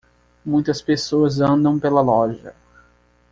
muitas pessoas andam pela loja.